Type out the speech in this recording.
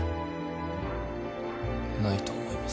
ないと思います。